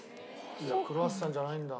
クロワッサンじゃないんだ。